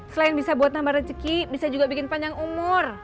selain bisa buat nambah rezeki bisa juga bikin panjang umur